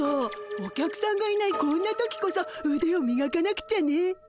お客さんがいないこんな時こそうでをみがかなくちゃね。